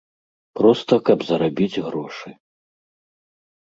Проста, каб зарабіць грошы.